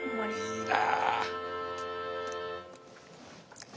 いいな。